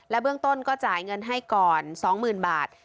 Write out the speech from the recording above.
เบื้องต้นก็จ่ายเงินให้ก่อน๒๐๐๐บาท